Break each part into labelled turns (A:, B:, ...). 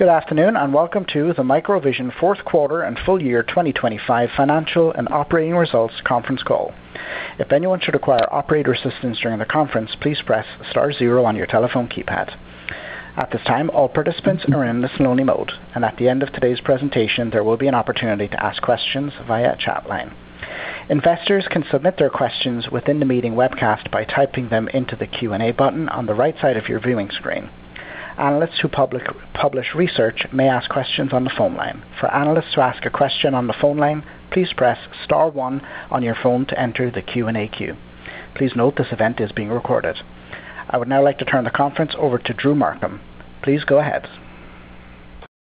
A: Good afternoon. Welcome to the MicroVision Q4 and full 2025 financial and operating results conference call. If anyone should require operator assistance during the conference, please press star zero on your telephone keypad. At this time, all participants are in listen-only mode, and at the end of today's presentation, there will be an opportunity to ask questions via chat line. Investors can submit their questions within the meeting webcast by typing them into the Q&A button on the right side of your viewing screen. Analysts who publish research may ask questions on the phone line. For analysts to ask a question on the phone line, please press star one on your phone to enter the Q&A queue. Please note this event is being recorded. I would now like to turn the conference over to Drew Markham. Please go ahead.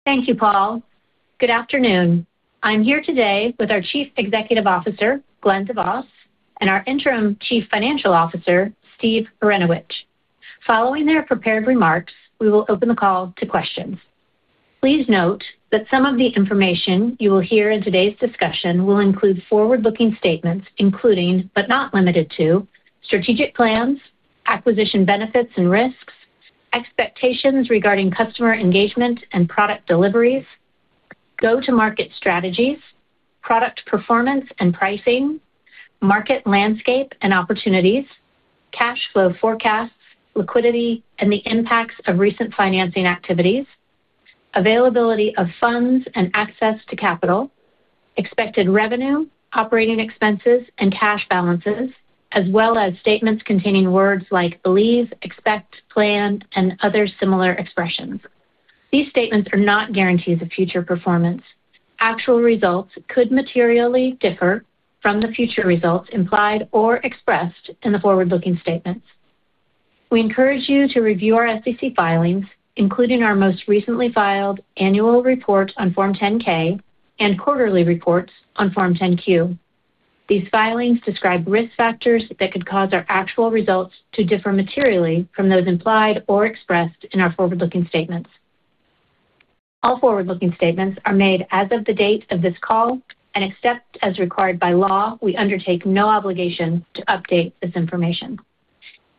B: Thank you, Paul. Good afternoon. I'm here today with our Chief Executive Officer, Glen DeVos, and our Interim Chief Financial Officer, Stephen Hrynewich. Following their prepared remarks, we will open the call to questions. Please note that some of the information you will hear in today's discussion will include forward-looking statements, including, but not limited to strategic plans, acquisition benefits and risks, expectations regarding customer engagement and product deliveries, go-to-market strategies, product performance and pricing, market landscape and opportunities, cash flow forecasts, liquidity and the impacts of recent financing activities, availability of funds and access to capital, expected revenue, operating expenses and cash balances, as well as statements containing words like believe, expect, plan and other similar expressions. These statements are not guarantees of future performance. Actual results could materially differ from the future results implied or expressed in the forward-looking statements. We encourage you to review our SEC filings, including our most recently filed annual report on Form 10-K and quarterly reports on Form 10-Q. These filings describe risk factors that could cause our actual results to differ materially from those implied or expressed in our forward-looking statements. All forward-looking statements are made as of the date of this call and except as required by law, we undertake no obligation to update this information.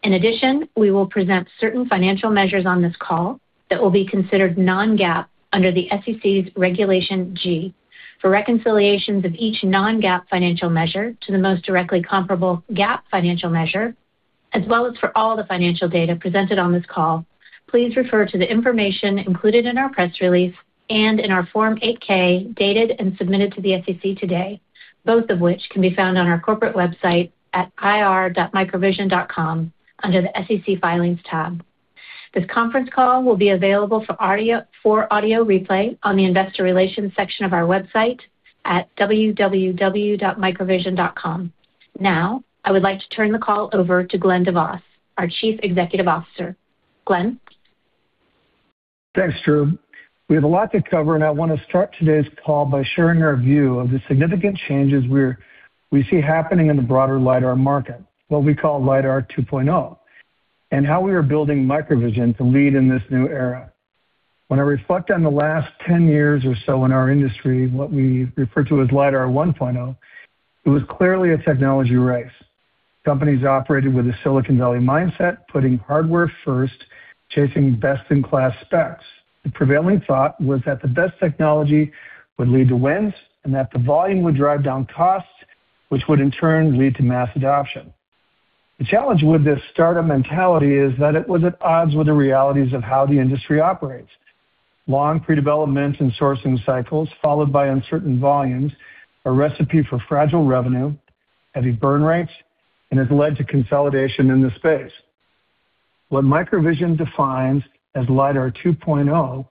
B: In addition, we will present certain financial measures on this call that will be considered non-GAAP under the SEC's Regulation G. For reconciliations of each non-GAAP financial measure to the most directly comparable GAAP financial measure, as well as for all the financial data presented on this call, please refer to the information included in our press release and in our Form 8-K dated and submitted to the SEC today, both of which can be found on our corporate website at ir.microvision.com under the SEC Filings tab. This conference call will be available for audio replay on the investor relations section of our website at www.microvision.com. Now, I would like to turn the call over to Glen DeVos, our Chief Executive Officer. Glen?
C: Thanks, Drew. We have a lot to cover, and I want to start today's call by sharing our view of the significant changes we see happening in the broader Lidar market, what we call Lidar 2.0, and how we are building MicroVision to lead in this new era. When I reflect on the last 10 years or so in our industry, what we refer to as Lidar 1.0, it was clearly a technology race. Companies operated with a Silicon Valley mindset, putting hardware first, chasing best-in-class specs. The prevailing thought was that the best technology would lead to wins and that the volume would drive down costs, which would in turn lead to mass adoption. The challenge with this startup mentality is that it was at odds with the realities of how the industry operates. Long pre-development and sourcing cycles followed by uncertain volumes, a recipe for fragile revenue, heavy burn rates, and has led to consolidation in the space. What MicroVision defines as Lidar 2.0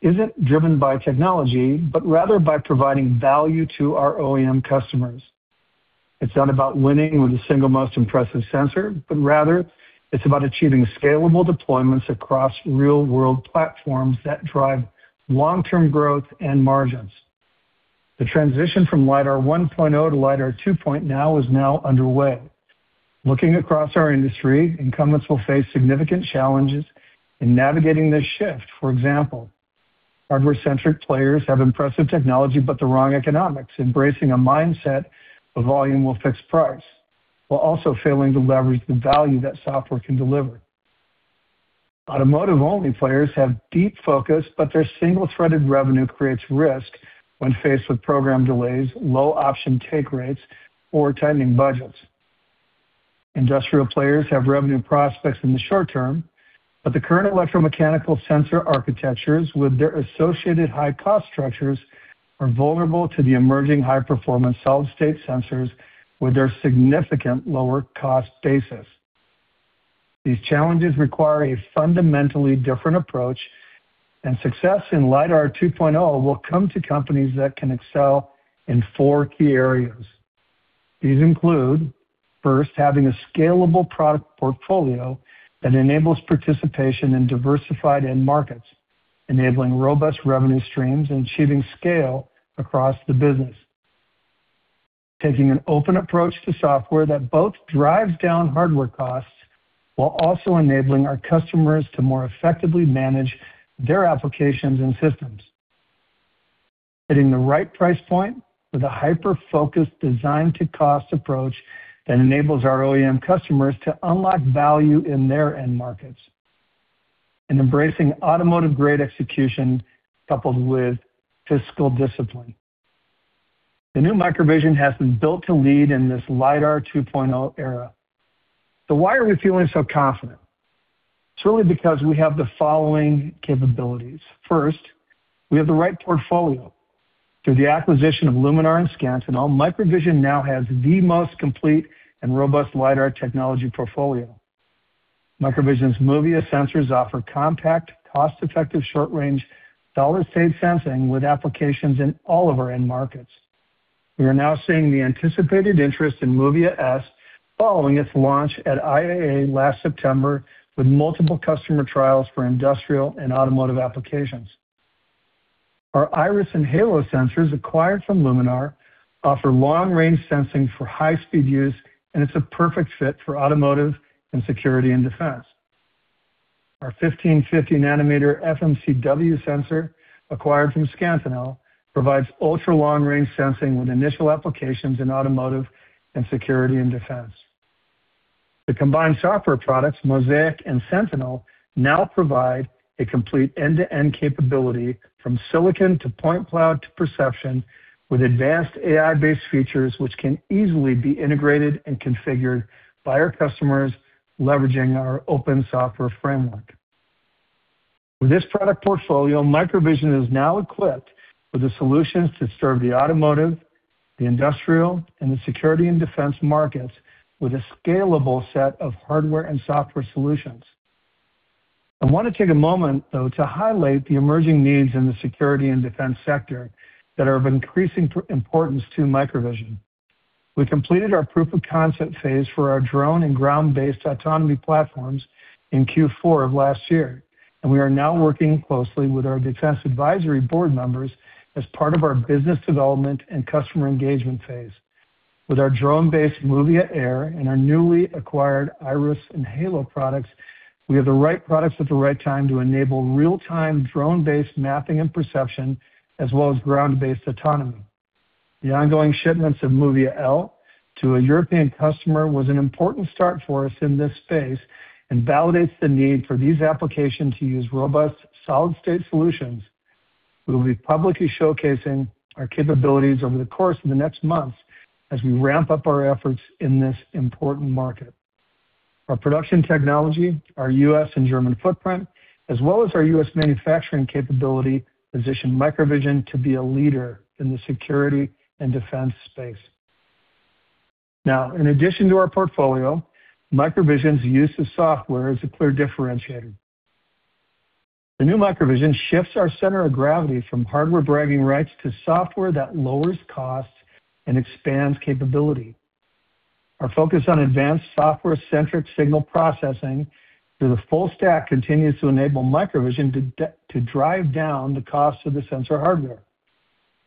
C: isn't driven by technology, but rather by providing value to our OEM customers. It's not about winning with the single most impressive sensor, but rather it's about achieving scalable deployments across real-world platforms that drive long-term growth and margins. The transition from Lidar 1.0 to Lidar 2.0 is now underway. Looking across our industry, incumbents will face significant challenges in navigating this shift. For example, hardware-centric players have impressive technology but the wrong economics, embracing a mindset of volume will fix price while also failing to leverage the value that software can deliver. Automotive-only players have deep focus, their single-threaded revenue creates risk when faced with program delays, low option take rates or tightening budgets. Industrial players have revenue prospects in the short term, the current electromechanical sensor architectures with their associated high-cost structures are vulnerable to the emerging high-performance solid-state sensors with their significant lower cost basis. These challenges require a fundamentally different approach, success in Lidar 2.0 will come to companies that can excel in 4 key areas. These include, first, having a scalable product portfolio that enables participation in diversified end markets, enabling robust revenue streams and achieving scale across the business. Taking an open approach to software that both drives down hardware costs while also enabling our customers to more effectively manage their applications and systems. Hitting the right price point with a hyper-focused design-to-cost approach that enables our OEM customers to unlock value in their end markets and embracing automotive-grade execution coupled with fiscal discipline. The new MicroVision has been built to lead in this LiDAR 2.0 era. Why are we feeling so confident? It's really because we have the following capabilities. First, we have the right portfolio. Through the acquisition of Luminar and Scantinel, MicroVision now has the most complete and robust LiDAR technology portfolio. MicroVision's MOVIA sensors offer compact, cost-effective, short-range, solid-state sensing with applications in all of our end markets. We are now seeing the anticipated interest in MOVIA S following its launch at IAA last September with multiple customer trials for industrial and automotive applications. Our Iris and Halo sensors acquired from Luminar offer long-range sensing for high-speed use, and it's a perfect fit for automotive and security and defense. Our 1550 nanometer FMCW sensor acquired from Scantinel provides ultra-long-range sensing with initial applications in automotive and security and defense. The combined software products, MOSAIK and Sentinel, now provide a complete end-to-end capability from silicon to point cloud to perception with advanced AI-based features which can easily be integrated and configured by our customers leveraging our open software framework. With this product portfolio, MicroVision is now equipped with the solutions to serve the automotive, the industrial, and the security and defense markets with a scalable set of hardware and software solutions. I want to take a moment, though, to highlight the emerging needs in the security and defense sector that are of increasing importance to MicroVision. We completed our proof of concept phase for our drone and ground-based autonomy platforms in Q4 of last year, and we are now working closely with our defense advisory board members as part of our business development and customer engagement phase. With our drone-based MOVIA Air and our newly acquired Iris and Halo products, we have the right products at the right time to enable real-time drone-based mapping and perception as well as ground-based autonomy. The ongoing shipments of MOVIA L to a European customer was an important start for us in this space and validates the need for these applications to use robust, solid-state solutions. We will be publicly showcasing our capabilities over the course of the next months as we ramp up our efforts in this important market. Our production technology, our U.S. and German footprint, as well as our U.S. manufacturing capability, position MicroVision to be a leader in the security and defense space. Now, in addition to our portfolio, MicroVision's use of software is a clear differentiator. The new MicroVision shifts our center of gravity from hardware bragging rights to software that lowers costs and expands capability. Our focus on advanced software-centric signal processing through the full stack continues to enable MicroVision to drive down the cost of the sensor hardware.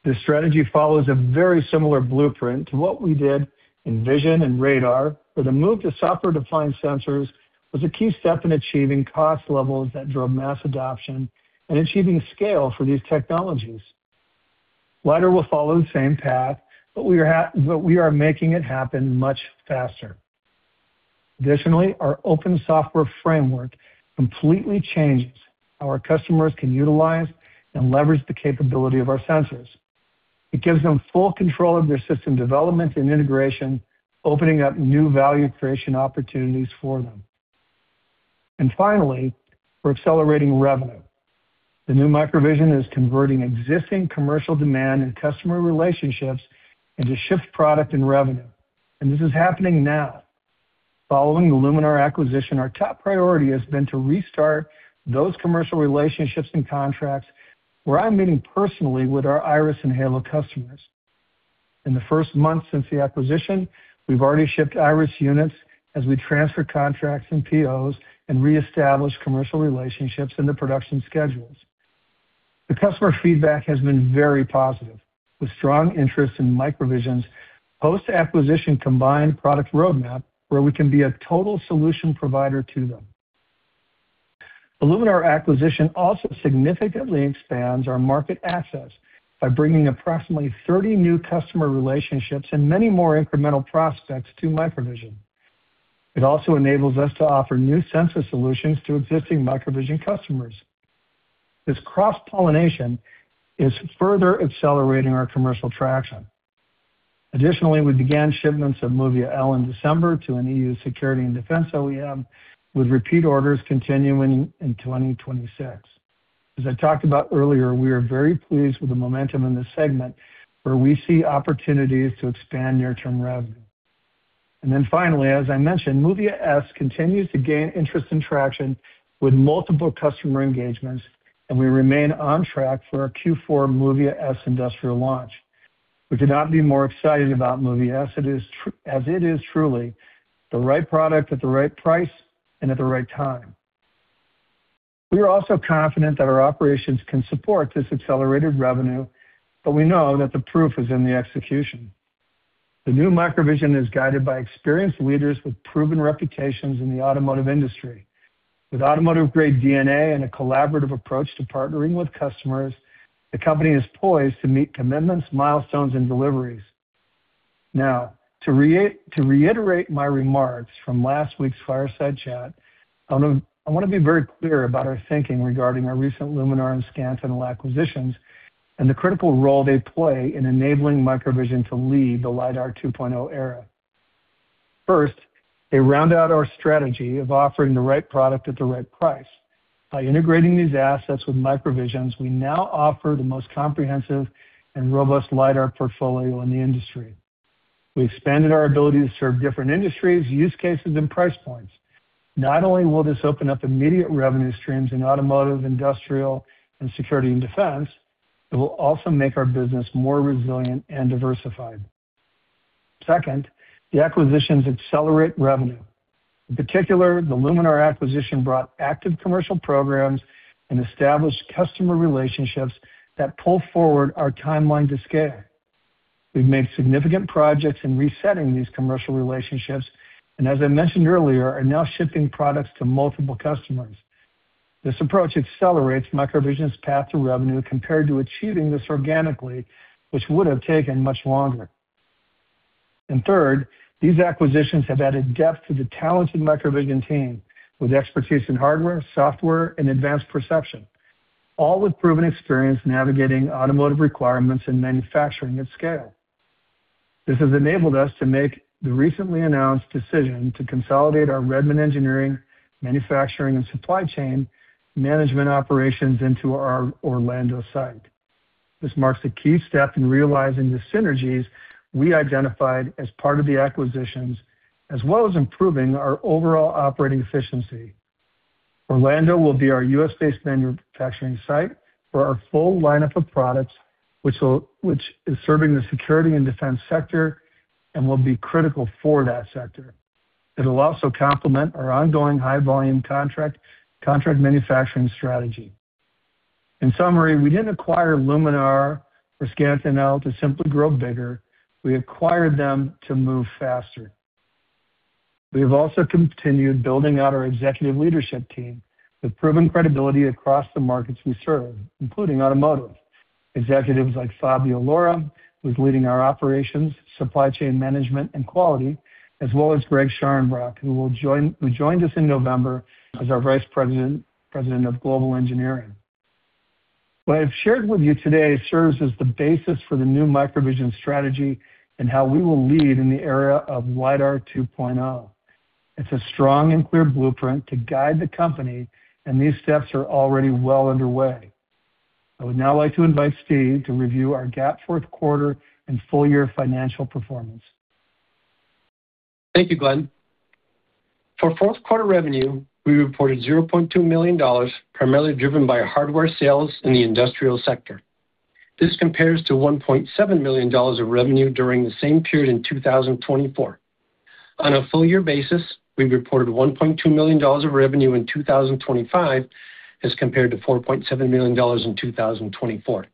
C: This strategy follows a very similar blueprint to what we did in vision and radar, where the move to software-defined sensors was a key step in achieving cost levels that drove mass adoption and achieving scale for these technologies. LiDAR will follow the same path, but we are making it happen much faster. Our open software framework completely changes how our customers can utilize and leverage the capability of our sensors. It gives them full control of their system development and integration, opening up new value creation opportunities for them. Finally, we're accelerating revenue. The new MicroVision is converting existing commercial demand and customer relationships into shift product and revenue. This is happening now. Following the Luminar acquisition, our top priority has been to restart those commercial relationships and contracts, where I'm meeting personally with our Iris and Halo customers. In the first month since the acquisition, we've already shipped Iris units as we transfer contracts and POs and reestablish commercial relationships into production schedules. The customer feedback has been very positive, with strong interest in MicroVision's post-acquisition combined product roadmap, where we can be a total solution provider to them. The Luminar acquisition also significantly expands our market access by bringing approximately 30 new customer relationships and many more incremental prospects to MicroVision. It also enables us to offer new sensor solutions to existing MicroVision customers. This cross-pollination is further accelerating our commercial traction. Additionally, we began shipments of MOVIA L in December to an EU security and defense OEM, with repeat orders continuing in 2026. As I talked about earlier, we are very pleased with the momentum in this segment, where we see opportunities to expand near-term revenue. Finally, as I mentioned, MOVIA S continues to gain interest and traction with multiple customer engagements, and we remain on track for our Q4 MOVIA S industrial launch. We could not be more excited about MOVIA S as it is truly the right product at the right price and at the right time. We are also confident that our operations can support this accelerated revenue. We know that the proof is in the execution. The new MicroVision is guided by experienced leaders with proven reputations in the automotive industry. With automotive-grade DNA and a collaborative approach to partnering with customers, the company is poised to meet commitments, milestones and deliveries. To reiterate my remarks from last week's fireside chat, I wanna be very clear about our thinking regarding our recent Luminar and Scantinel acquisitions and the critical role they play in enabling MicroVision to lead the Lidar 2.0 era. First, they round out our strategy of offering the right product at the right price. By integrating these assets with MicroVision's, we now offer the most comprehensive and robust Lidar portfolio in the industry. We expanded our ability to serve different industries, use cases and price points. Not only will this open up immediate revenue streams in automotive, industrial and security and defense, it will also make our business more resilient and diversified. Second, the acquisitions accelerate revenue. In particular, the Luminar acquisition brought active commercial programs and established customer relationships that pull forward our timeline to scale. We've made significant projects in resetting these commercial relationships and as I mentioned earlier, are now shipping products to multiple customers. This approach accelerates MicroVision's path to revenue compared to achieving this organically, which would have taken much longer. Third, these acquisitions have added depth to the talented MicroVision team with expertise in hardware, software and advanced perception, all with proven experience navigating automotive requirements and manufacturing at scale. This has enabled us to make the recently announced decision to consolidate our Redmond engineering, manufacturing and supply chain management operations into our Orlando site. This marks a key step in realizing the synergies we identified as part of the acquisitions, as well as improving our overall operating efficiency. Orlando will be our U.S.-based manufacturing site for our full lineup of products, which is serving the security and defense sector and will be critical for that sector. It'll also complement our ongoing high volume contract manufacturing strategy. In summary, we didn't acquire Luminar or Scantinel to simply grow bigger. We acquired them to move faster. We have also continued building out our executive leadership team with proven credibility across the markets we serve, including automotive. Executives like Fabio Laura, who's leading our operations, supply chain management and quality, as well as Greg Scharenbroch, who joined us in November as our Vice President of Global Engineering. What I've shared with you today serves as the basis for the new MicroVision strategy and how we will lead in the era of Lidar 2.0. It's a strong and clear blueprint to guide the company, and these steps are already well underway. I would now like to invite Steve to review our GAAP Q4 and full year financial performance.
D: Thank you, Glen. For Q4 revenue, we reported $0.2 million, primarily driven by hardware sales in the industrial sector. This compares to $1.7 million of revenue during the same period in 2024. On a full year basis, we reported $1.2 million of revenue in 2025 as compared to $4.7 million in 2024.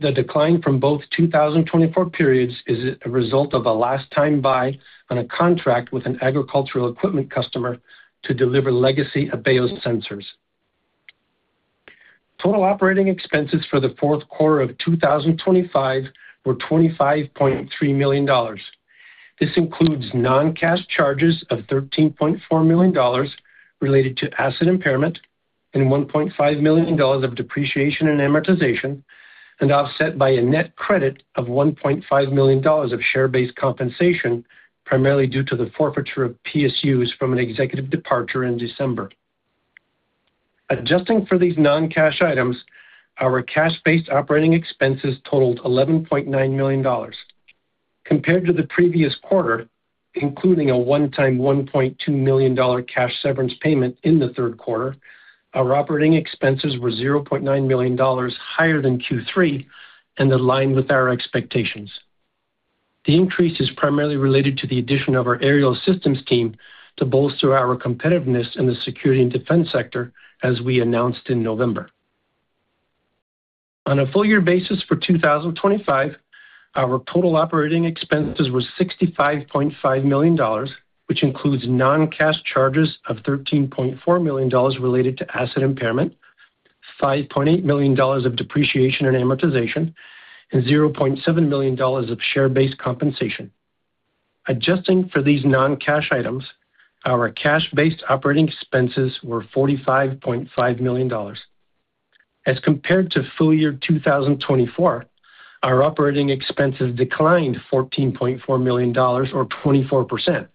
D: The decline from both 2024 periods is a result of a last time buy on a contract with an agricultural equipment customer to deliver legacy Abeille sensors. Total operating expenses for the Q4 of 2025 were $25.3 million. This includes non-cash charges of $13.4 million related to asset impairment and $1.5 million of depreciation and amortization, and offset by a net credit of $1.5 million of share-based compensation, primarily due to the forfeiture of PSUs from an executive departure in December. Adjusting for these non-cash items, our cash-based operating expenses totaled $11.9 million. Compared to the previous quarter, including a one-time $1.2 million cash severance payment in the Q3, our operating expenses were $0.9 million higher than Q3 and aligned with our expectations. The increase is primarily related to the addition of our aerial systems team to bolster our competitiveness in the security and defense sector, as we announced in November. On a full year basis for 2025, our total operating expenses were $65.5 million, which includes non-cash charges of $13.4 million related to asset impairment, $5.8 million of depreciation and amortization, and $0.7 million of share-based compensation. Adjusting for these non-cash items, our cash-based operating expenses were $45.5 million. As compared to full year 2024, our operating expenses declined $14.4 million or 24%,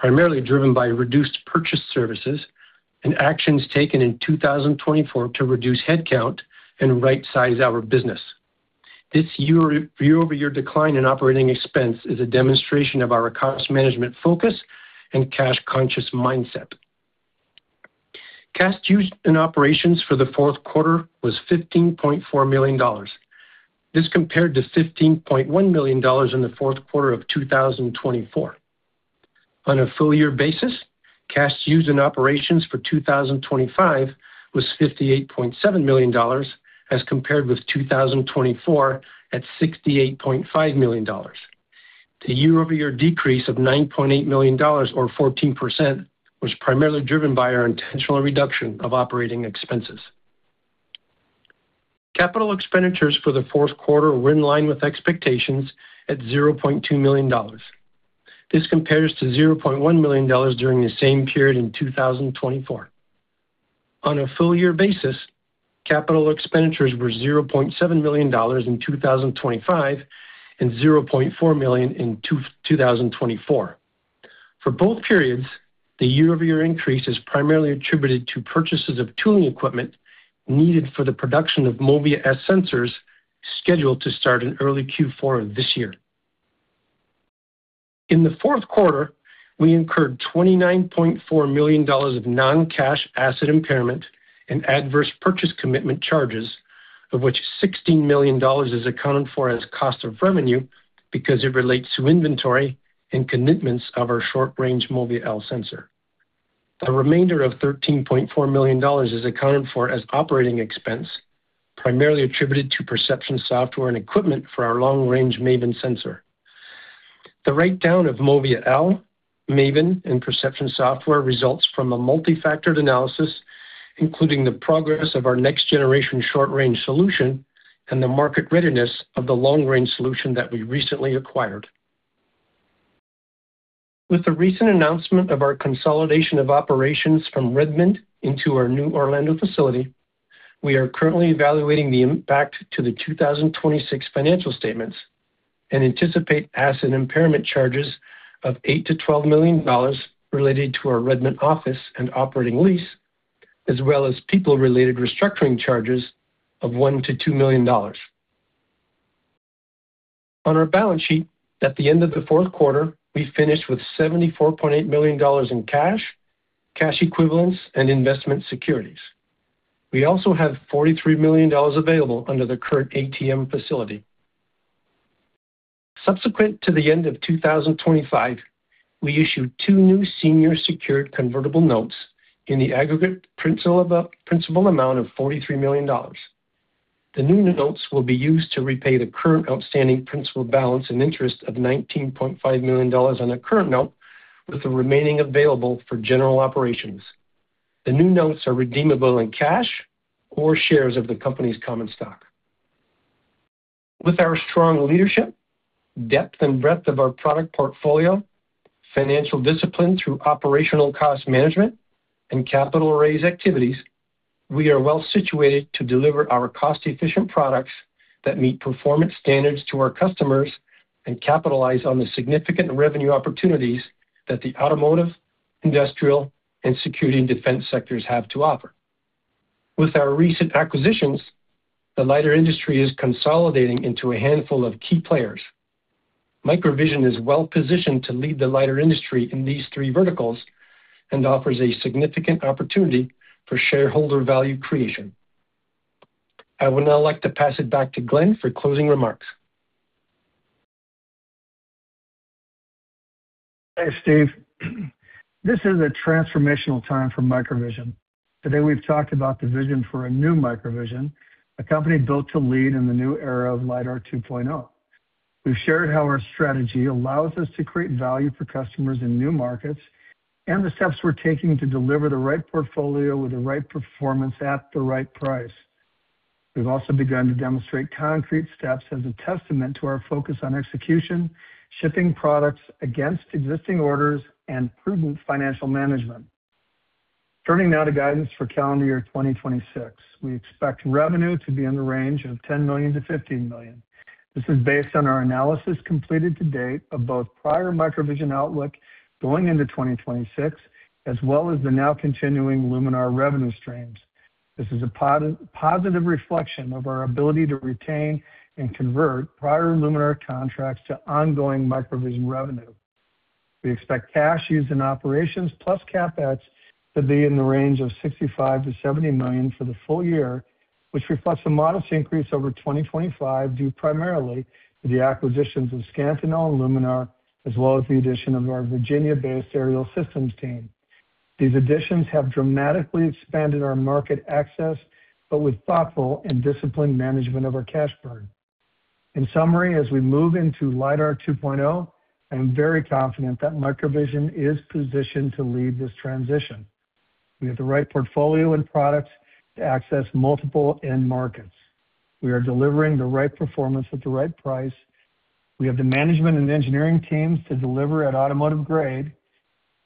D: primarily driven by reduced purchase services and actions taken in 2024 to reduce headcount and right size our business. This year-over-year decline in operating expense is a demonstration of our cost management focus and cash conscious mindset. Cash used in operations for the Q4 was $15.4 million. This compared to $15.1 million in the Q4 of 2024. On a full year basis, cash used in operations for 2025 was $58.7 million as compared with 2024 at $68.5 million. The year-over-year decrease of $9.8 million or 14% was primarily driven by our intentional reduction of operating expenses. Capital expenditures for the Q4 were in line with expectations at $0.2 million. This compares to $0.1 million during the same period in 2024. On a full year basis, Capital expenditures were $0.7 million in 2025 and $0.4 million in 2024. For both periods, the year-over-year increase is primarily attributed to purchases of tooling equipment needed for the production of MOVIA S sensors scheduled to start in early Q4 of this year. In the Q4, we incurred $29.4 million of non-cash asset impairment and adverse purchase commitment charges, of which $16 million is accounted for as cost of revenue because it relates to inventory and commitments of our short-range MOVIA L sensor. The remainder of $13.4 million is accounted for as operating expense, primarily attributed to perception software and equipment for our long-range MAVIN sensor. The write-down of MOVIA L, MAVIN, and perception software results from a multi-factored analysis, including the progress of our next-generation short-range solution and the market readiness of the long-range solution that we recently acquired. With the recent announcement of our consolidation of operations from Redmond into our new Orlando facility, we are currently evaluating the impact to the 2026 financial statements and anticipate asset impairment charges of $8 million-$12 million related to our Redmond office and operating lease, as well as people-related restructuring charges of $1 million-$2 million. On our balance sheet, at the end of the Q4, we finished with $74.8 million in cash equivalents, and investment securities. We also have $43 million available under the current ATM facility. Subsequent to the end of 2025, we issued two new senior secured convertible notes in the aggregate principal amount of $43 million. The new notes will be used to repay the current outstanding principal balance and interest of $19.5 million on the current note, with the remaining available for general operations. The new notes are redeemable in cash or shares of the company's common stock. With our strong leadership, depth, and breadth of our product portfolio, financial discipline through operational cost management, and capital raise activities, we are well situated to deliver our cost-efficient products that meet performance standards to our customers and capitalize on the significant revenue opportunities that the automotive, industrial, and security and defense sectors have to offer. With our recent acquisitions, the lidar industry is consolidating into a handful of key players. MicroVision is well-positioned to lead the lidar industry in these three verticals and offers a significant opportunity for shareholder value creation. I would now like to pass it back to Glenn for closing remarks.
C: Thanks, Steve. This is a transformational time for MicroVision. Today, we've talked about the vision for a new MicroVision, a company built to lead in the new era of Lidar 2.0. We've shared how our strategy allows us to create value for customers in new markets and the steps we're taking to deliver the right portfolio with the right performance at the right price. We've also begun to demonstrate concrete steps as a testament to our focus on execution, shipping products against existing orders, and prudent financial management. Turning now to guidance for calendar year 2026. We expect revenue to be in the range of $10 million-$15 million. This is based on our analysis completed to date of both prior MicroVision outlook going into 2026, as well as the now continuing Luminar revenue streams. This is a positive reflection of our ability to retain and convert prior Luminar contracts to ongoing MicroVision revenue. We expect cash used in operations plus CapEx to be in the range of $65 million-$70 million for the full year, which reflects a modest increase over 2025, due primarily to the acquisitions of Scantinel and Luminar, as well as the addition of our Virginia-based aerial systems team. These additions have dramatically expanded our market access, with thoughtful and disciplined management of our cash burn. In summary, as we move into Lidar 2.0, I am very confident that MicroVision is positioned to lead this transition. We have the right portfolio and products to access multiple end markets. We are delivering the right performance at the right price. We have the management and engineering teams to deliver at automotive grade,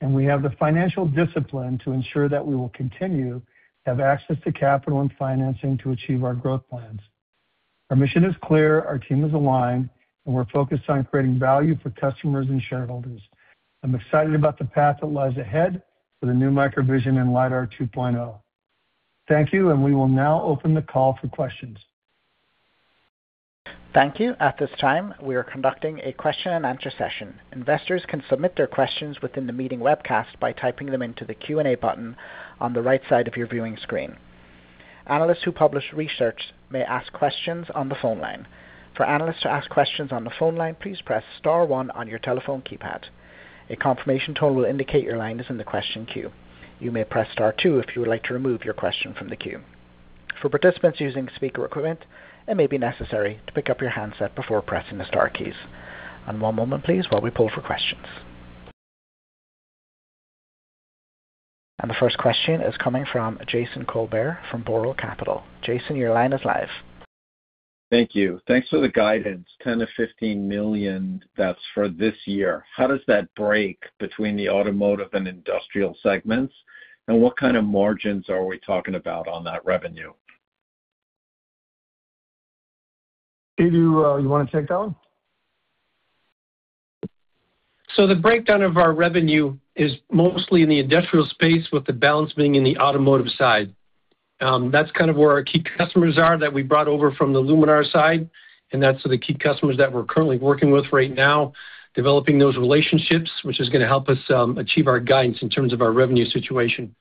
C: and we have the financial discipline to ensure that we will continue to have access to capital and financing to achieve our growth plans. Our mission is clear, our team is aligned, and we're focused on creating value for customers and shareholders. I'm excited about the path that lies ahead for the new MicroVision and Lidar 2.0. Thank you. We will now open the call for questions.
A: Thank you. At this time, we are conducting a question-and-answer session. Investors can submit their questions within the meeting webcast by typing them into the Q&A button on the right side of your viewing screen. Analysts who publish research may ask questions on the phone line. For analysts to ask questions on the phone line, please press star 1 on your telephone keypad. A confirmation tone will indicate your line is in the question queue. You may press star 2 if you would like to remove your question from the queue. For participants using speaker equipment, it may be necessary to pick up your handset before pressing the star keys. 1 moment please while we pull for questions. The first question is coming from Jason Colbert from Boral Capital. Jason, your line is live.
E: Thank you. Thanks for the guidance. $10 million-$15 million, that's for this year. How does that break between the automotive and industrial segments? What kind of margins are we talking about on that revenue?
C: Steve, do you wanna take that one?
D: The breakdown of our revenue is mostly in the industrial space, with the balance being in the automotive side. That's kind of where our key customers are that we brought over from the Luminar side, and that's the key customers that we're currently working with right now, developing those relationships, which is gonna help us achieve our guidance in terms of our revenue situation.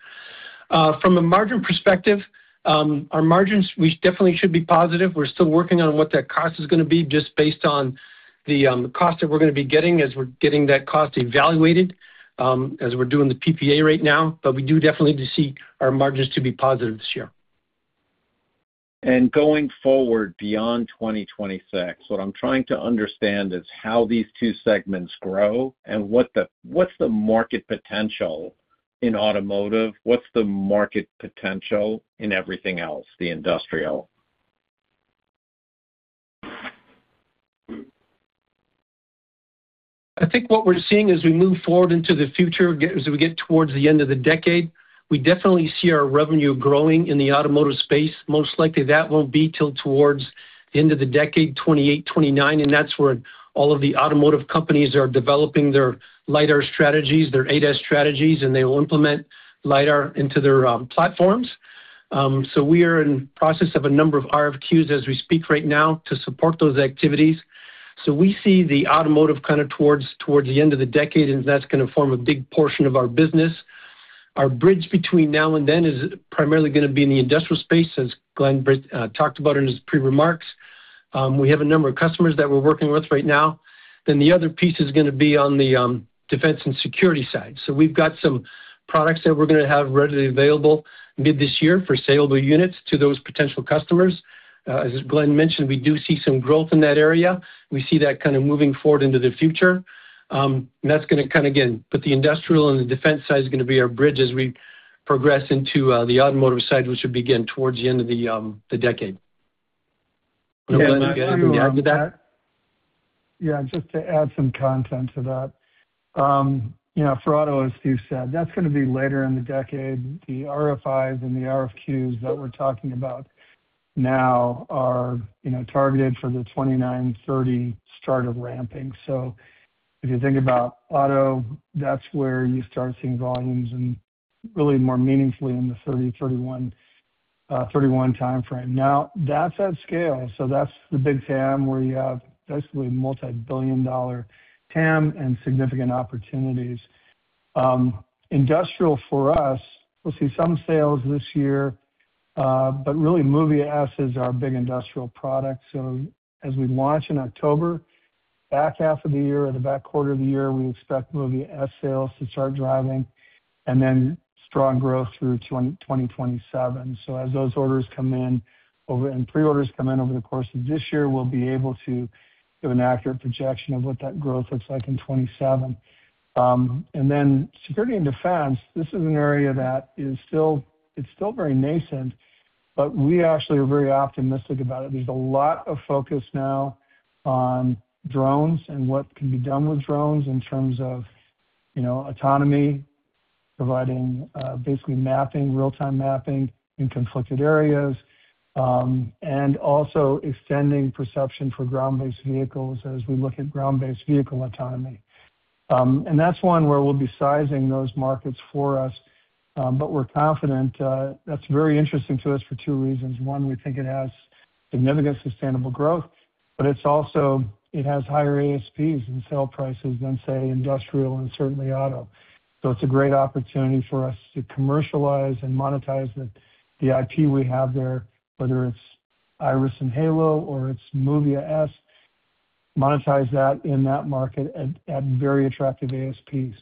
D: From a margin perspective, our margins, we definitely should be positive. We're still working on what that cost is gonna be just based on the cost that we're gonna be getting as we're getting that cost evaluated, as we're doing the PPA right now. We do definitely to see our margins to be positive this year.
E: Going forward beyond 2026, what I'm trying to understand is how these two segments grow and what's the market potential in automotive, what's the market potential in everything else, the industrial?
D: I think what we're seeing as we move forward into the future, as we get towards the end of the decade, we definitely see our revenue growing in the automotive space. Most likely that won't be till towards the end of the decade, 2028, 2029, and that's where all of the automotive companies are developing their lidar strategies, their ADAS strategies, and they will implement lidar into their platforms. We are in process of a number of RFQs as we speak right now to support those activities. We see the automotive kinda towards the end of the decade, and that's gonna form a big portion of our business. Our bridge between now and then is primarily gonna be in the industrial space, as Glen DeVos talked about in his pre-remarks. We have a number of customers that we're working with right now. The other piece is gonna be on the defense and security side. We've got some products that we're gonna have readily available mid this year for sale of units to those potential customers. As Glenn mentioned, we do see some growth in that area. We see that kinda moving forward into the future. That's gonna kind of, again, put the industrial and the defense side is gonna be our bridge as we progress into the automotive side, which should begin towards the end of the decade. Glenn, do you want to add to that?
C: Yeah, just to add some content to that or auto, as Steve said, that's gonna be later in the decade. The RFIs and the RFQs that we're talking about now are, targeted for the 2029, 2030 start of ramping. If you think about auto, that's where you start seeing volumes and really more meaningfully in the 2030, 2031 timeframe. That's at scale, so that's the big TAM, where you have basically $multi-billion TAM and significant opportunities. Industrial for us, we'll see some sales this year, but really MOVIA S is our big industrial product. As we launch in October, back half of the year or the back quarter of the year, we expect MOVIA S sales to start driving and then strong growth through 2027. As those orders come in and pre-orders come in over the course of this year, we'll be able to give an accurate projection of what that growth looks like in 27. Security and defense, this is an area that is still, it's still very nascent, but we actually are very optimistic about it. There's a lot of focus now on drones and what can be done with drones in terms of, autonomy, providing, basically mapping, real-time mapping in conflicted areas, and also extending perception for ground-based vehicles as we look at ground-based vehicle autonomy. That's one where we'll be sizing those markets for us, but we're confident. That's very interesting to us for two reasons. We think it has significant sustainable growth, but it's also it has higher ASPs and sale prices than, say, industrial and certainly auto. It's a great opportunity for us to commercialize and monetize the IP we have there, whether it's Iris and Halo or it's MOVIA S, monetize that in that market at very attractive ASPs.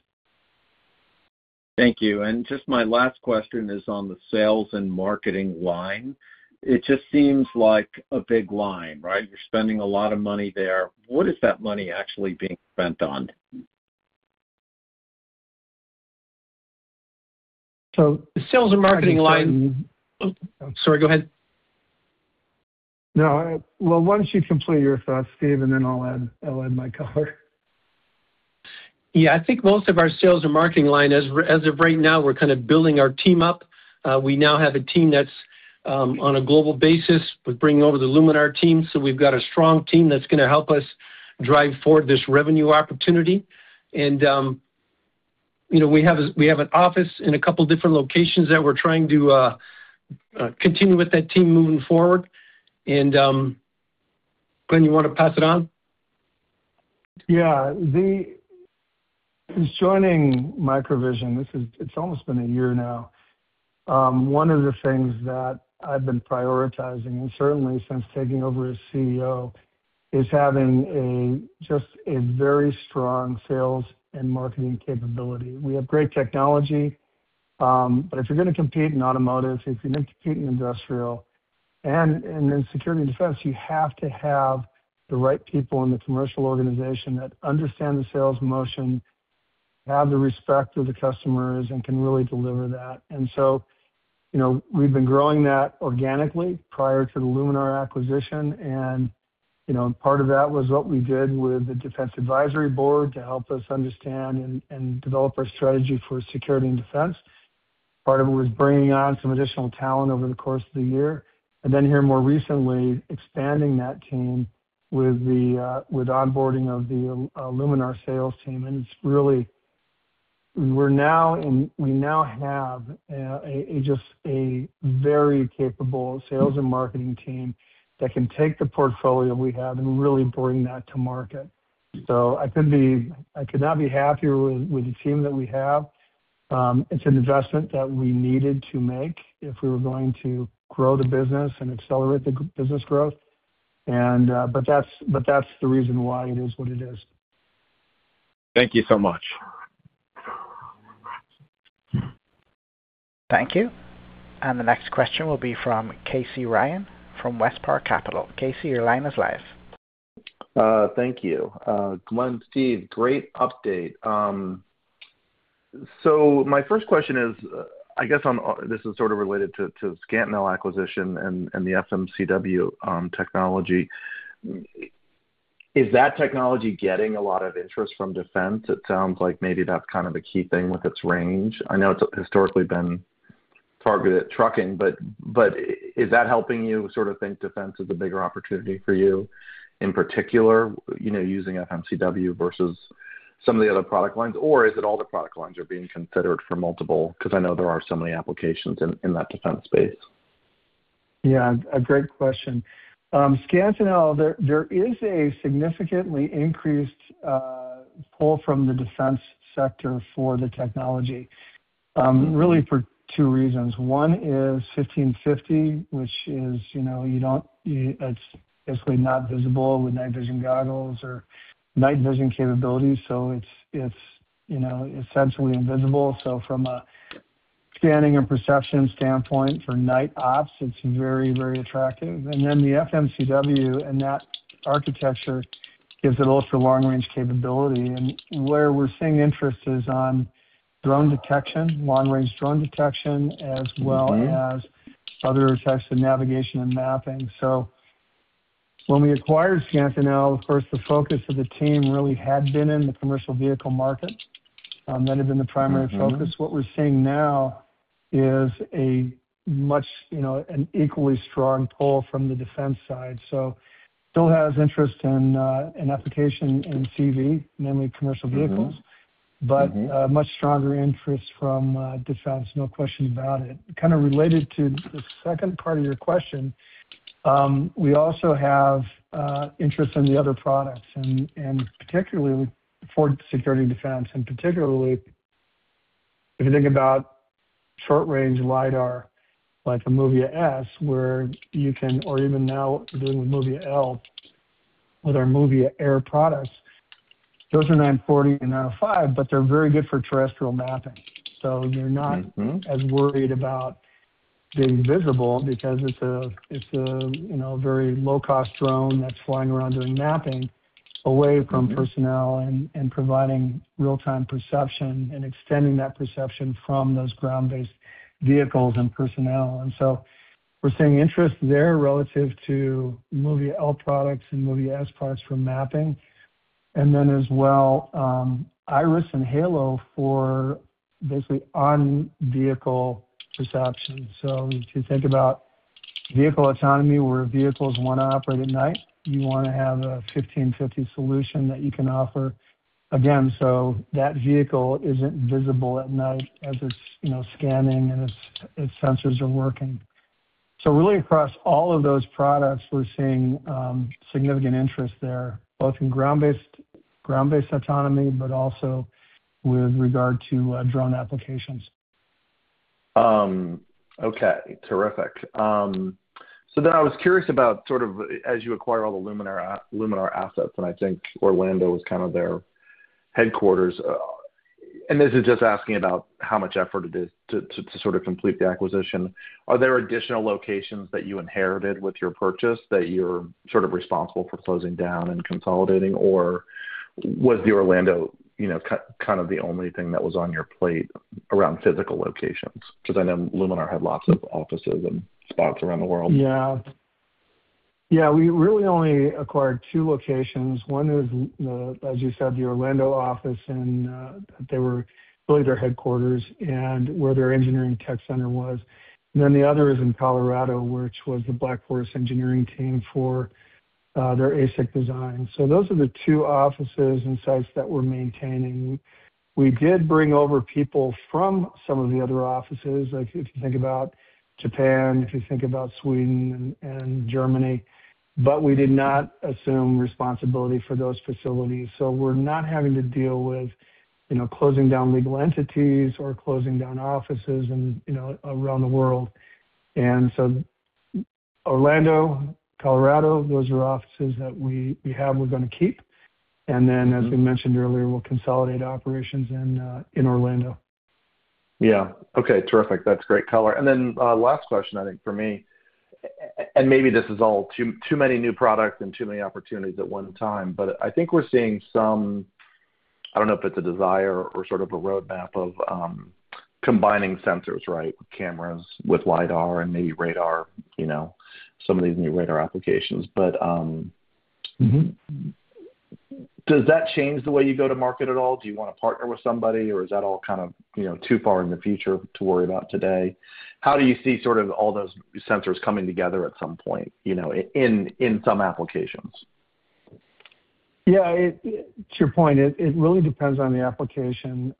E: Thank you. Just my last question is on the sales and marketing line. It just seems like a big line, right? You're spending a lot of money there. What is that money actually being spent on?
D: The sales and marketing line. Oh, sorry, go ahead.
C: No, well, why don't you complete your thoughts, Steve, and then I'll add my color.
D: Yeah. I think most of our sales and marketing line, as of right now, we're kind of building our team up. We now have a team that's on a global basis. We're bringing over the Luminar team. We've got a strong team that's gonna help us drive forward this revenue opportunity. You know, we have an office in a couple different locations that we're trying to continue with that team moving forward. Glen, you wanna pass it on?
C: Yeah. Since joining MicroVision, it's almost been a year now, one of the things that I've been prioritizing, and certainly since taking over as CEO, is having just a very strong sales and marketing capability. We have great technology, but if you're gonna compete in automotive, if you're gonna compete in industrial and in security and defense, you have to have the right people in the commercial organization that understand the sales motion, have the respect of the customers, and can really deliver that. You know, we've been growing that organically prior to the Luminar acquisition. You know, part of that was what we did with the defense advisory board to help us understand and develop our strategy for security and defense. Part of it was bringing on some additional talent over the course of the year. Then here more recently, expanding that team with the with onboarding of the Luminar sales team. We now have a just a very capable sales and marketing team that can take the portfolio we have and really bring that to market. I could not be happier with the team that we have. It's an investment that we needed to make if we were going to grow the business and accelerate the business growth. But that's the reason why it is what it is.
E: Thank you so much.
A: Thank you. The next question will be from Casey Ryan from WestPark Capital. Casey, your line is live.
F: Thank you. Good morning, Steve. Great update. My first question is, I guess this is sort of related to Scantinel acquisition and the FMCW technology. Is that technology getting a lot of interest from defense? It sounds like maybe that's kind of a key thing with its range. I know it's historically been targeted at trucking, but is that helping you sort of think defense is a bigger opportunity for you, in particular, you know, using FMCW versus some of the other product lines? Is it all the product lines are being considered for multiple? I know there are so many applications in that defense space.
C: Yeah, a great question. Scantinel, there is a significantly increased pull from the defense sector for the technology, really for two reasons. One is 1550, which is, you know, it's basically not visible with night vision goggles or night vision capabilities, so it's, you know, essentially invisible. From a scanning and perception standpoint for night ops, it's very attractive. The FMCW and that architecture gives it also long-range capability. Where we're seeing interest is on drone detection, long-range drone detection, as well as other types of navigation and mapping. When we acquired Scantinel, of course, the focus of the team really had been in the commercial vehicle market. That had been the primary focus. What we're seeing now is a much, you know, an equally strong pull from the defense side. Still has interest in application in CV, namely commercial vehicles, but a much stronger interest from defense, no question about it. Kinda related to the second part of your question, we also have interest in the other products, and particularly for security and defense, and particularly if you think about short-range lidar, like a MOVIA S, or even now doing with MOVIA L with our MOVIA Air products, those are 940 and 905, but they're very good for terrestrial mapping. You're not as worried about being visible because it's a, very low-cost drone that's flying around doing mapping away from personnel and providing real-time perception and extending that perception from those ground-based vehicles and personnel. We're seeing interest there relative to MOVIA L products and MOVIA S products for mapping. Then as well, Iris and Halo for basically on-vehicle perception. If you think about vehicle autonomy, where vehicles wanna operate at night, you wanna have a 1550 solution that you can offer again, so that vehicle isn't visible at night as it's, scanning and its sensors are working. Really across all of those products, we're seeing significant interest there, both in ground-based autonomy, but also with regard to drone applications.
F: Okay. Terrific. I was curious about sort of as you acquire all the Luminar assets, and I think Orlando was kind of their headquarters. This is just asking about how much effort it is to sort of complete the acquisition. Are there additional locations that you inherited with your purchase that you're sort of responsible for closing down and consolidating? Or was the Orlando, kind of the only thing that was on your plate around physical locations? 'Cause I know Luminar had lots of offices and spots around the world.
C: We really only acquired two locations. One is the, as you said, the Orlando office and they were really their headquarters and where their engineering tech center was. The other is in Colorado, which was the Black Forest Engineering team for their ASIC design. Those are the two offices and sites that we're maintaining. We did bring over people from some of the other offices, like if you think about Japan, if you think about Sweden and Germany, we did not assume responsibility for those facilities. We're not having to deal with, closing down legal entities or closing down offices and, around the world. Orlando, Colorado, those are offices that we have, we're gonna keep. As we mentioned earlier, we'll consolidate operations in Orlando.
F: Yeah. Okay, terrific. That's great color. Last question I think for me, and maybe this is all too many new products and too many opportunities at one time, I think we're seeing some... I don't know if it's a desire or sort of a roadmap of combining sensors, right? Cameras with lidar and maybe radar, some of these new radar applications. But,
C: Mm-hmm.
F: Does that change the way you go to market at all? Do you wanna partner with somebody, or is that all kind of, too far in the future to worry about today? How do you see sort of all those sensors coming together at some point, in some applications?
C: Yeah. To your point, it really depends on the application.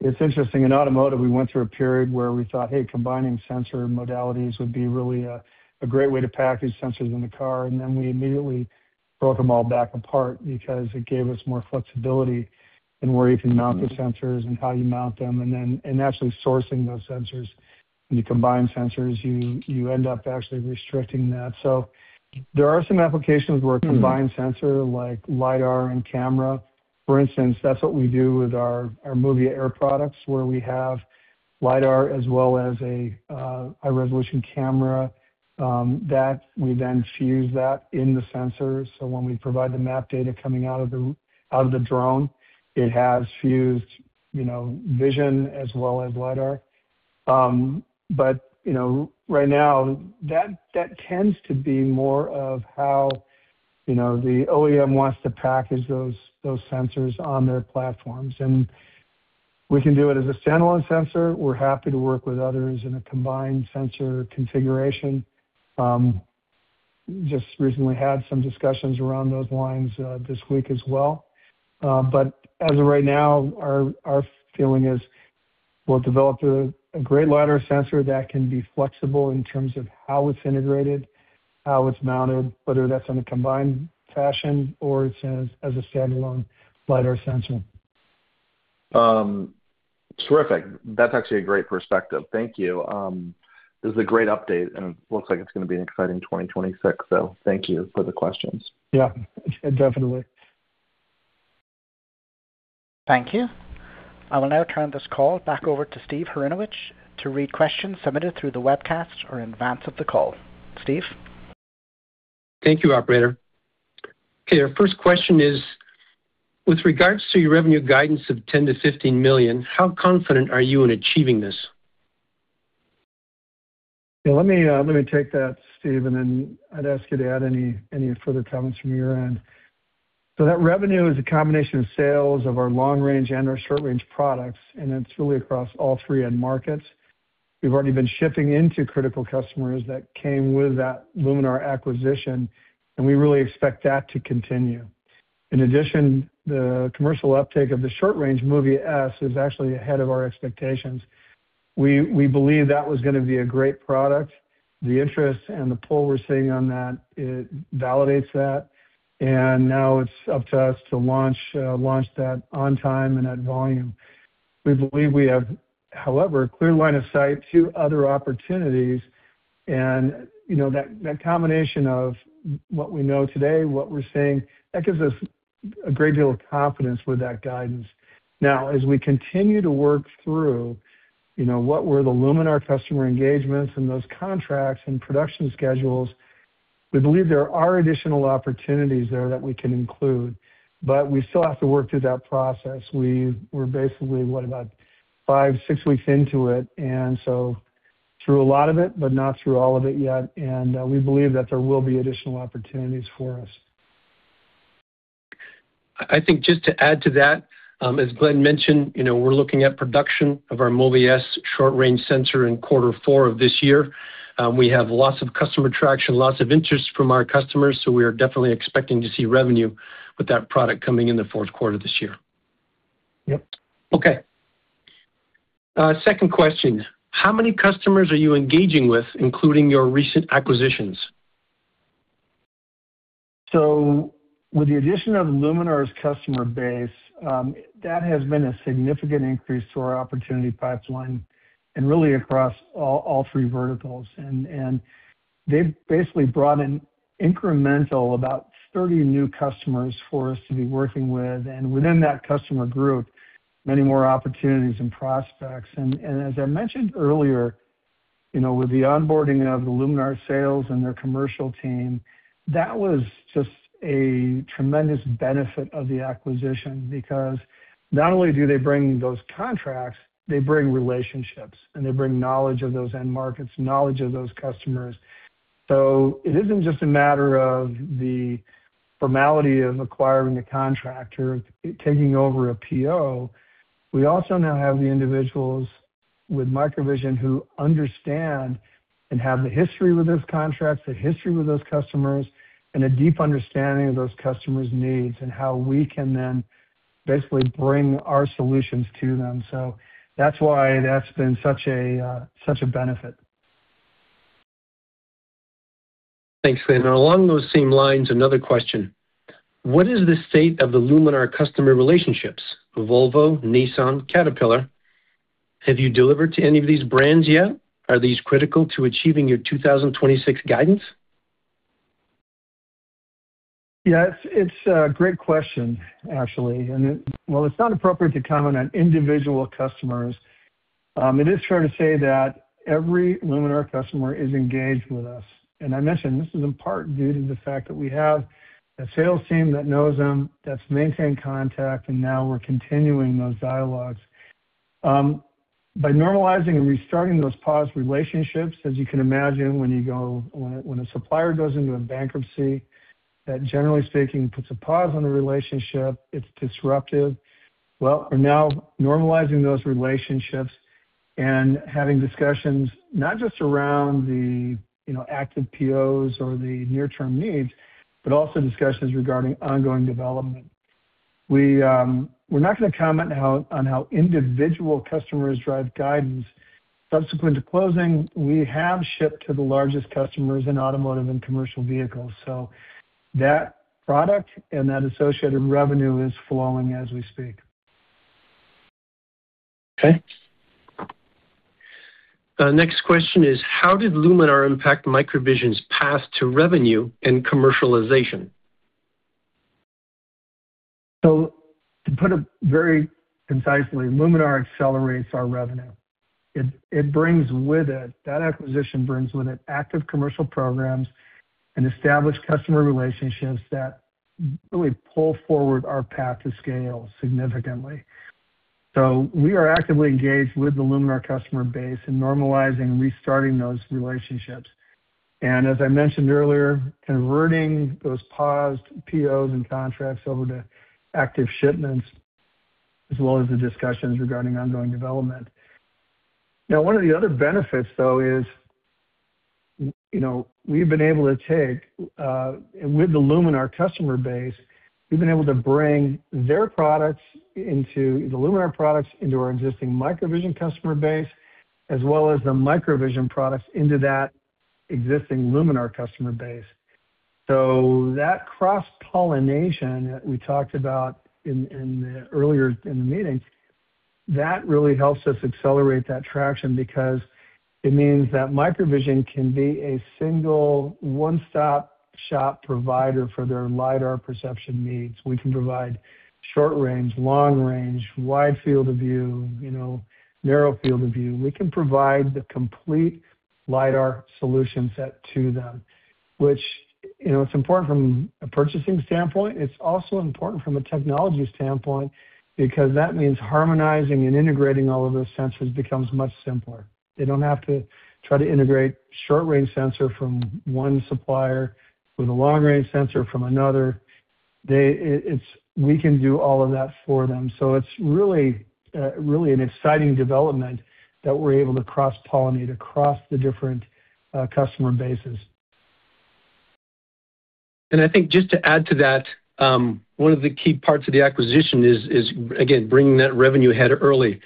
C: It's interesting. In automotive, we went through a period where we thought, hey, combining sensor modalities would be really a great way to package sensors in the car. We immediately broke them all back apart because it gave us more flexibility in where you can mount the sensors and how you mount them. And actually sourcing those sensors. When you combine sensors, you end up actually restricting that. There are some applications where a combined sensor like lidar and camera, for instance, that's what we do with our MAVIN DR products, where we have lidar as well as a high-resolution camera, that we then fuse that in the sensor. When we provide the map data coming out of the drone, it has fused, vision as well as lidar. You know, right now, that tends to be more of how, ythe OEM wants to package those sensors on their platforms. We can do it as a standalone sensor. We're happy to work with others in a combined sensor configuration. Just recently had some discussions around those lines this week as well. As of right now our feeling is we'll develop a great lidar sensor that can be flexible in terms of how it's integrated, how it's mounted, whether that's in a combined fashion or it's as a standalone lidar sensor.
F: Terrific. That's actually a great perspective. Thank you. This is a great update, and it looks like it's gonna be an exciting 2026. Thank you for the questions.
C: Yeah, definitely.
A: Thank you. I will now turn this call back over to Stephen Hrynewich to read questions submitted through the webcast or in advance of the call. Steve.
D: Thank you, operator. Okay, our first question is, with regards to your revenue guidance of $10 million-$15 million, how confident are you in achieving this?
C: Yeah, let me take that, Steve, and then I'd ask you to add any further comments from your end. That revenue is a combination of sales of our long-range and our short-range products, and it's really across all three end markets. We've already been shipping into critical customers that came with that Luminar acquisition, and we really expect that to continue. In addition, the commercial uptake of the short-range MOVIA S is actually ahead of our expectations. We believe that was gonna be a great product. The interest and the pull we're seeing on that, it validates that. Now it's up to us to launch that on time and at volume. We believe we have, however, a clear line of sight to other opportunities, that combination of what we know today, what we're seeing, that gives us a great deal of confidence with that guidance. As we continue to work through, what were the Luminar customer engagements and those contracts and production schedules, we believe there are additional opportunities there that we can include, but we still have to work through that process. We're basically, what, about 5, 6 weeks into it. Through a lot of it, but not through all of it yet. We believe that there will be additional opportunities for us.
D: I think just to add to that, as Glen mentioned, we're looking at production of our MOVIA S short-range sensor in quarter four of this year. We have lots of customer traction, lots of interest from our customers, we are definitely expecting to see revenue with that product coming in the Q4 this year.
C: Yep.
D: Okay. second question. How many customers are you engaging with, including your recent acquisitions?
C: With the addition of Luminar's customer base, that has been a significant increase to our opportunity pipeline and really across all three verticals. They've basically brought in incremental about 30 new customers for us to be working with, and within that customer group, many more opportunities and prospects. As I mentioned earlier, with the onboarding of the Luminar sales and their commercial team, that was just a tremendous benefit of the acquisition because not only do they bring those contracts, they bring relationships, and they bring knowledge of those end markets, knowledge of those customers. It isn't just a matter of the formality of acquiring a contractor or taking over a PO. We also now have the individuals with MicroVision who understand and have the history with those contracts, the history with those customers, and a deep understanding of those customers' needs and how we can then basically bring our solutions to them. That's why that's been such a, such a benefit.
D: Thanks, Stan. Along those same lines, another question. What is the state of the Luminar customer relationships? Volvo, Nissan, Caterpillar. Have you delivered to any of these brands yet? Are these critical to achieving your 2026 guidance?
C: Yes, it's a great question, actually. While it's not appropriate to comment on individual customers, it is fair to say that every Luminar customer is engaged with us. I mentioned this is in part due to the fact that we have a sales team that knows them, that's maintained contact, and now we're continuing those dialogues. By normalizing and restarting those paused relationships, as you can imagine, when a supplier goes into a bankruptcy that, generally speaking, puts a pause on the relationship, it's disruptive. We're now normalizing those relationships and having discussions not just around the, active POs or the near-term needs, but also discussions regarding ongoing development. We, we're not gonna comment on how individual customers drive guidance. Subsequent to closing, we have shipped to the largest customers in automotive and commercial vehicles, so that product and that associated revenue is flowing as we speak.
D: Okay. The next question is, how did Luminar impact MicroVision's path to revenue and commercialization?
C: To put it very concisely, Luminar accelerates our revenue. It brings with it, that acquisition brings with it active commercial programs and established customer relationships that really pull forward our path to scale significantly. We are actively engaged with the Luminar customer base in normalizing and restarting those relationships. As I mentioned earlier, converting those paused POs and contracts over to active shipments, as well as the discussions regarding ongoing development. One of the other benefits, though, is, we've been able to take with the Luminar customer base, we've been able to bring their products into the Luminar products into our existing MicroVision customer base, as well as the MicroVision products into that existing Luminar customer base. That cross-pollination that we talked about in the earlier in the meeting, that really helps us accelerate that traction because it means that MicroVision can be a single one-stop-shop provider for their lidar perception needs. We can provide short range, long range, wide field of view, narrow field of view. We can provide the complete lidar solution set to them, which, it's important from a purchasing standpoint. It's also important from a technology standpoint because that means harmonizing and integrating all of those sensors becomes much simpler. They don't have to try to integrate short range sensor from one supplier with a long-range sensor from another. We can do all of that for them. It's really an exciting development that we're able to cross-pollinate across the different customer bases.
D: I think just to add to that, one of the key parts of the acquisition is again, bringing that revenue ahead early.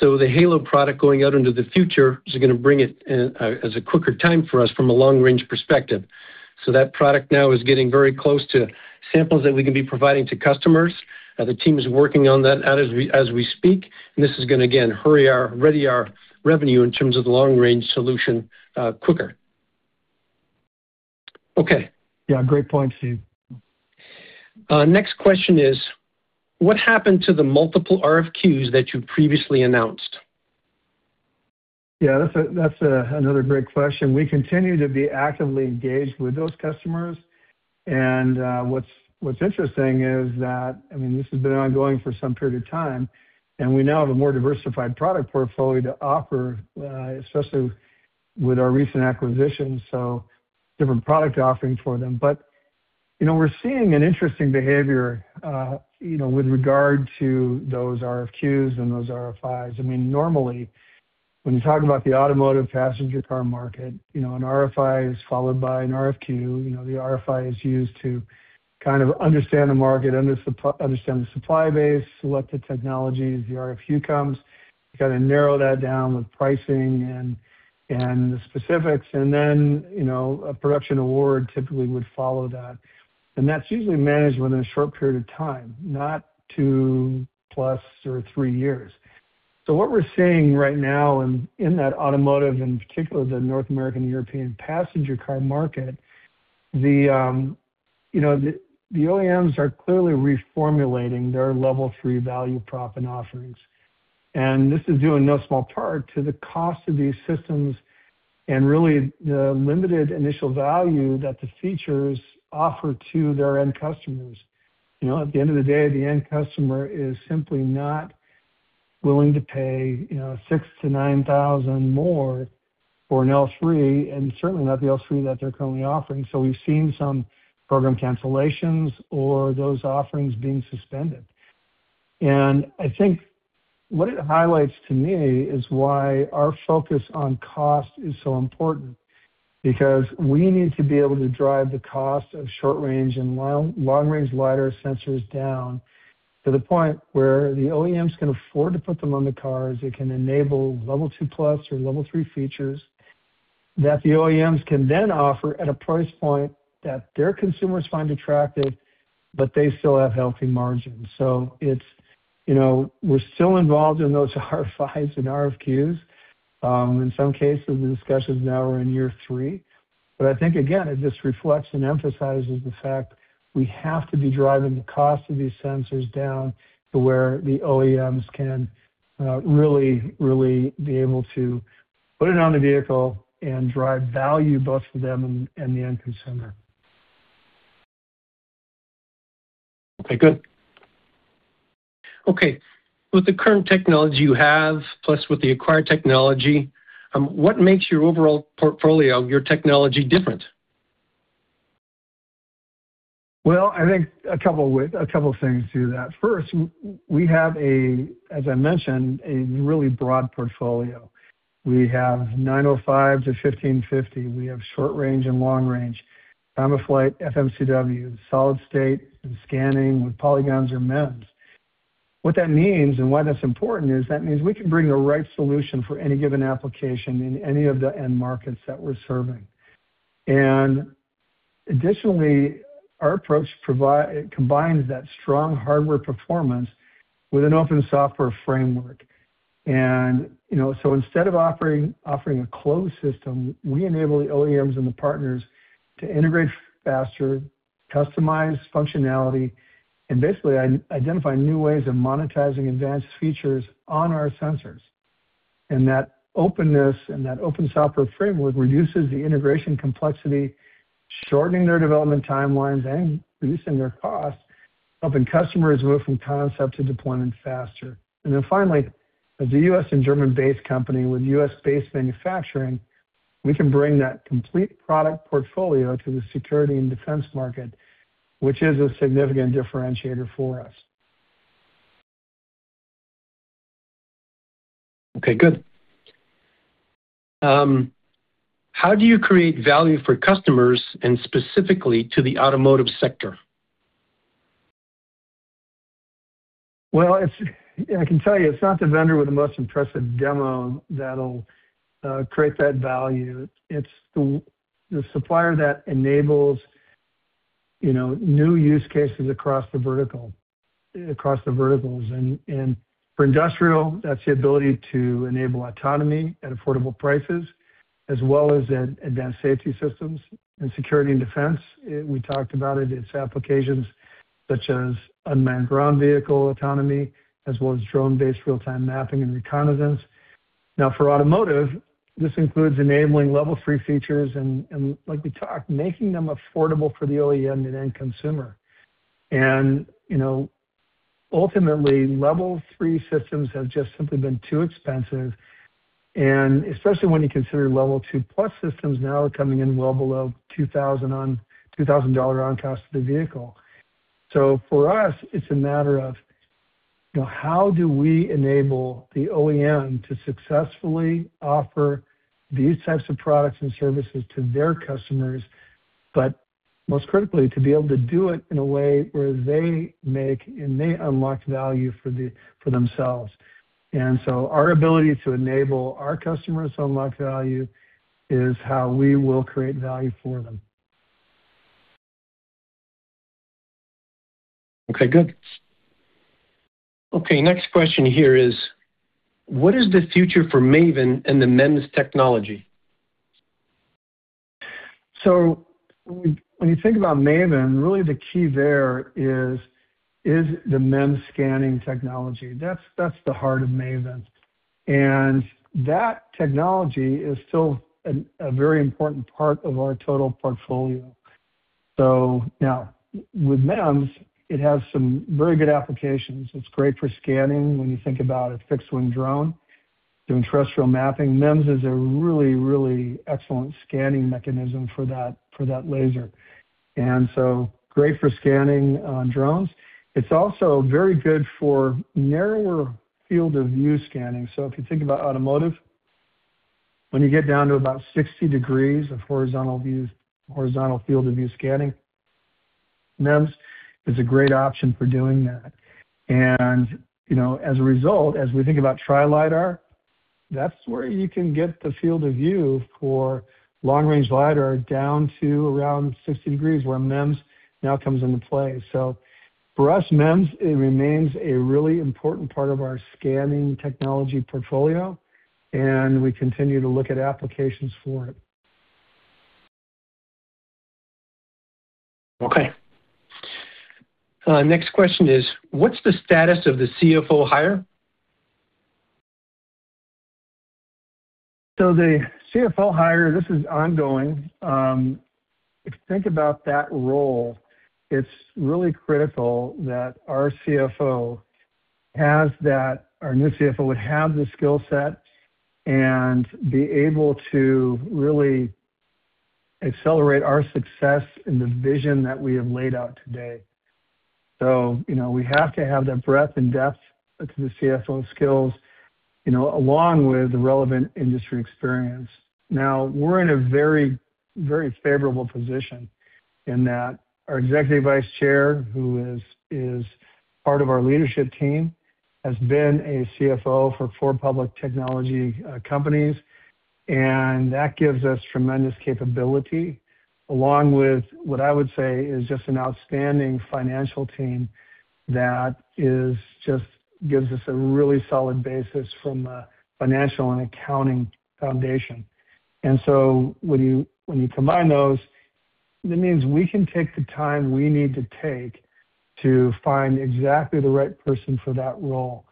D: The Halo product going out into the future is gonna bring it, as a quicker time for us from a long-range perspective. That product now is getting very close to samples that we can be providing to customers. The team is working on that as we, as we speak. This is gonna again, ready our revenue in terms of the long-range solution, quicker. Okay.
C: Yeah, great point, Steve.
D: Next question is, what happened to the multiple RFQs that you previously announced?
C: Yeah, that's another great question. We continue to be actively engaged with those customers. What's interesting is that, I mean, this has been ongoing for some period of time, and we now have a more diversified product portfolio to offer, especially with our recent acquisitions, so different product offerings for them. We're seeing an interesting behavior, with regard to those RFQs and those RFIs. I mean, normally, when you talk about the automotive passenger car market, an RFI is followed by an RFQ. You know, the RFI is used to kind of understand the market, understand the supply base, select the technologies. The RFQ comes, you gotta narrow that down with pricing and the specifics. Then, a production award typically would follow that. That's usually managed within a short period of time, not to plus or three years. What we're seeing right now in that automotive, and in particular the North American, European passenger car market, the OEMs are clearly reformulating their Level 3 value prop and offerings. This is due in no small part to the cost of these systems and really the limited initial value that the features offer to their end customers. You know, at the end of the day, the end customer is simply not willing to pay, $6,000-$9,000 more for an L3, and certainly not the L3 that they're currently offering. We've seen some program cancellations or those offerings being suspended. I think what it highlights to me is why our focus on cost is so important, because we need to be able to drive the cost of short range and long, long range Lidar sensors down to the point where the OEMs can afford to put them on the cars. It can enable Level 2+ or Level 3 features that the OEMs can then offer at a price point that their consumers find attractive, but they still have healthy margins. We're still involved in those RFIs and RFQs. In some cases, the discussions now are in year three. I think again, it just reflects and emphasizes the fact we have to be driving the cost of these sensors down to where the OEMs can really be able to put it on the vehicle and drive value both for them and the end consumer.
D: Okay, good. Okay, with the current technology you have, plus with the acquired technology, what makes your overall portfolio, your technology different?
C: Well, I think a couple of things to that. First, we have a, as I mentioned, a really broad portfolio. We have 905 to 1550. We have short range and long range. Time of flight, FMCW, solid state and scanning with polygons or MEMS. What that means and why that's important is that means we can bring the right solution for any given application in any of the end markets that we're serving. Additionally, our approach combines that strong hardware performance with an open software framework. You know, instead of offering a closed system, we enable the OEMs and the partners to integrate faster, customize functionality, and basically identify new ways of monetizing advanced features on our sensors. That openness and that open software framework reduces the integration complexity, shortening their development timelines and reducing their costs, helping customers move from concept to deployment faster. Finally, as a U.S. and German-based company with U.S.-based manufacturing, we can bring that complete product portfolio to the security and defense market, which is a significant differentiator for us.
D: Okay, good. How do you create value for customers and specifically to the automotive sector?
C: Well, I can tell you it's not the vendor with the most impressive demo that'll create that value. It's the supplier that enables, new use cases across the vertical, across the verticals. for industrial, that's the ability to enable autonomy at affordable prices as well as advanced safety systems. In security and defense, we talked about it's applications such as unmanned ground vehicle autonomy as well as drone-based real-time mapping and reconnaissance. for automotive, this includes enabling Level 3 features and like we talked, making them affordable for the OEM and end consumer. Ultimately, Level 3 systems have just simply been too expensive. especially when you consider Level 2+ systems now coming in well below $2,000 on cost of the vehicle. For us, it's a matter of, how do we enable the OEM to successfully offer these types of products and services to their customers, but most critically, to be able to do it in a way where they make and they unlock value for the, for themselves. Our ability to enable our customers to unlock value is how we will create value for them.
D: Okay, good. Okay, next question here is, what is the future for MAVIN and the MEMS technology?
C: When you think about MAVIN, really the key there is the MEMS scanning technology. That's the heart of MAVIN. That technology is still a very important part of our total portfolio. Now with MEMS, it has some very good applications. It's great for scanning when you think about a fixed-wing drone doing terrestrial mapping. MEMS is a really excellent scanning mechanism for that laser. Great for scanning on drones. It's also very good for narrower field of view scanning. If you think about automotive, when you get down to about 60 degrees of horizontal views, horizontal field of view scanning, MEMS is a great option for doing that. You know, as a result, as we think about Tri-Lidar, that's where you can get the field of view for long-range lidar down to around 60 degrees, where MEMS now comes into play. For us, MEMS, it remains a really important part of our scanning technology portfolio, and we continue to look at applications for it.
D: Okay. Next question is, what's the status of the CFO hire?
C: The CFO hire, this is ongoing. If you think about that role, it's really critical that our new CFO would have the skill set and be able to really accelerate our success in the vision that we have laid out today. You know, we have to have that breadth and depth to the CFO skills, along with the relevant industry experience. Now, we're in a very, very favorable position in that our Executive Vice Chair, who is part of our leadership team, has been a CFO for 4 public technology companies. That gives us tremendous capability along with what I would say is just an outstanding financial team that is just gives us a really solid basis from a financial and accounting foundation. When you combine those, that means we can take the time we need to take to find exactly the right person for that role.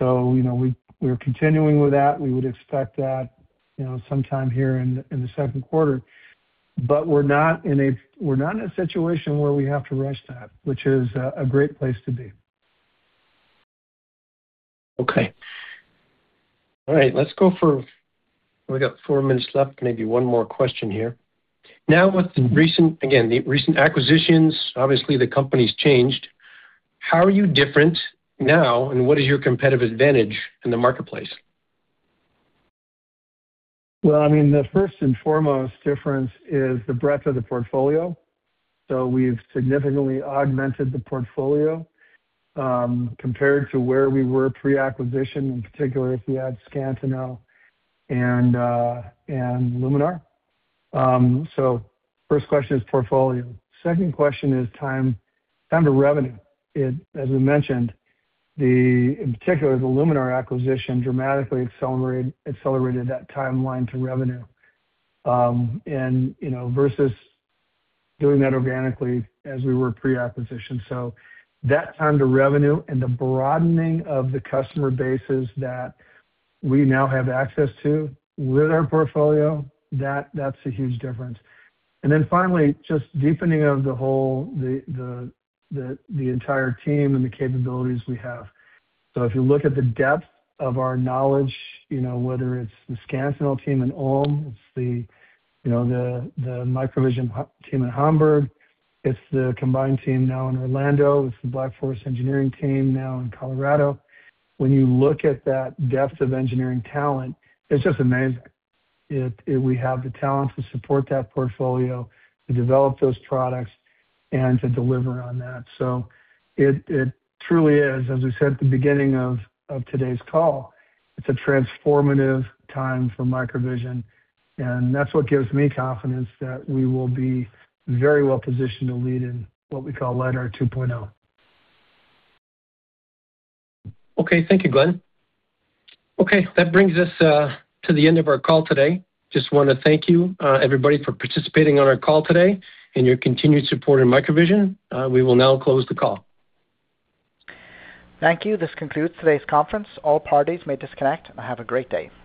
C: You know, we're continuing with that. We would expect that, sometime here in the Q2. We're not in a situation where we have to rush that, which is a great place to be.
D: Okay. All right. Let's go for. We got 4 minutes left, maybe one more question here. Now with the recent, again, the recent acquisitions, obviously the company's changed. How are you different now, and what is your competitive advantage in the marketplace?
C: I mean, the first and foremost difference is the breadth of the portfolio. We've significantly augmented the portfolio, compared to where we were pre-acquisition, in particular if you add Scantinel and Luminar. First question is portfolio. Second question is time to revenue. As we mentioned, in particular, the Luminar acquisition dramatically accelerated that timeline to revenue, and, versus doing that organically as we were pre-acquisition. That time to revenue and the broadening of the customer bases that we now have access to with our portfolio, that's a huge difference. Then finally, just deepening of the whole entire team and the capabilities we have. If you look at the depth of our knowledge, whether it's the Scantinel team in Ulm, it's the, MicroVision team in Hamburg, it's the combined team now in Orlando, it's the Black Forest Engineering team now in Colorado. When you look at that depth of engineering talent, it's just amazing. We have the talent to support that portfolio, to develop those products, and to deliver on that. It truly is, as we said at the beginning of today's call, it's a transformative time for MicroVision, and that's what gives me confidence that we will be very well positioned to lead in what we call Lidar 2.0.
D: Okay. Thank you, Glen. Okay. That brings us to the end of our call today. Just wanna thank you everybody for participating on our call today and your continued support in MicroVision. We will now close the call.
A: Thank you. This concludes today's conference. All parties may disconnect, and have a great day.